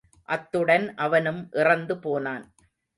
அத்துடன் அவனும் இறந்து போனான்.